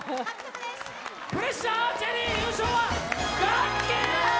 「プレッシャーアーチェリー」優勝はガッキー！